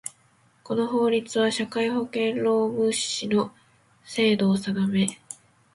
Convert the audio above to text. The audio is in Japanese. この法律は、社会保険労務士の制度を定め